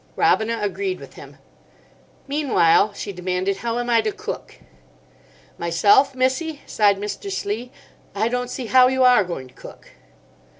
Robina agreed with him. "Meanwhile," she demanded, "how am I to cook?" "Myself, missie," sighed Mr. Slee, "I don't see how you are going to cook."